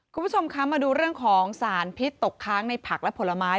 คุณผู้ชมคะมาดูเรื่องของสารพิษตกค้างในผักและผลไม้